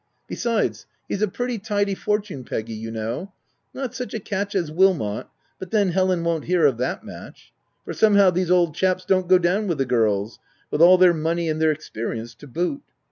Besides, he's a pretty tidy fortune, Peggy, you know — not such a catch as Wilmot, but then Helen won't hear of that match ; for, somehow, these old chaps don't go down with the girls — with all OF WILDFELL HALL. l 285 their money — and their experience to boot.